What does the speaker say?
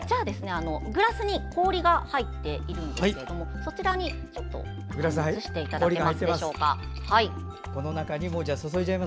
グラスに氷が入っているんですけどそちらに移していただけますでしょうか。